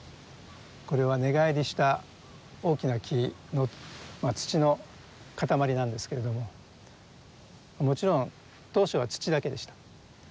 これは根返りした大きな木の土の塊なんですけれどももちろん当初は土だけでした。